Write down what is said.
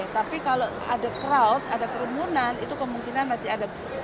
tapi kalau ada crowd ada kerumunan itu kemungkinan masih ada